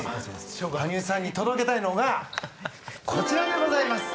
羽生さんに届けたいのがこちらでございます！